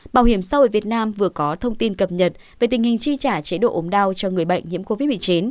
bảo hiểm xã hội việt nam vừa có thông tin cập nhật về tình hình chi trả chế độ ốm đau cho người bệnh nhiễm covid một mươi chín